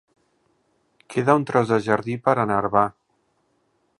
Queda un tros de jardí per enherbar.